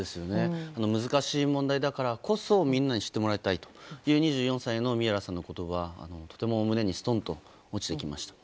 難しい問題だからこそみんなに知ってもらいたいという２４歳の宮良さんの言葉がとても胸にストンと落ちてきました。